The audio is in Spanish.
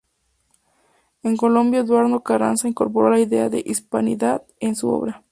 En Colombia Eduardo Carranza incorporó la idea de Hispanidad en su obra.